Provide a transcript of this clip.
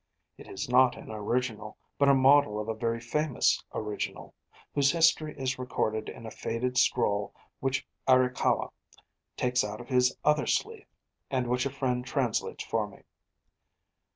It is not an original, but a model of a very famous original whose history is recorded in a faded scroll which Arakawa takes out of his other sleeve, and which a friend translates for me.